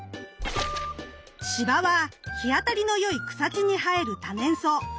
⁉シバは日当たりの良い草地に生える多年草。